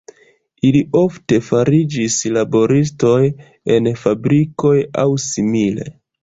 Ili ofte fariĝis laboristoj en fabrikoj aŭ simile.